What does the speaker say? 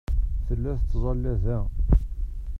Tella tettẓalla da.